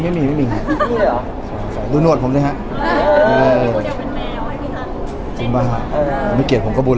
ไม่มีไม่มีเหรอดูโนรสผมนั่งฮะจริงปะค่ะเอิ้นไม่เกลียดผมก็บุญนะ